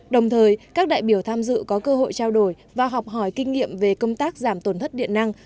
đồng thời các đại biểu tham dự có cơ hội trao đổi và học hỏi kinh nghiệm về công tác giảm tổn thất điện năng